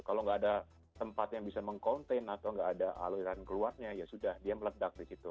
kalau nggak ada tempat yang bisa mengcontain atau nggak ada aliran keluarnya ya sudah dia meledak di situ